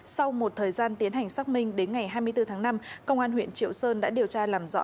sau một thời gian tiến hành xác minh đến ngày hai mươi bốn tháng năm công an huyện triệu sơn đã điều tra làm rõ